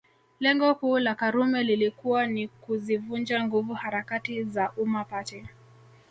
Lengo kuu la Karume lilikuwa ni kuzivunja nguvu harakati za Umma Party